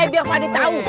eh biar pada tahu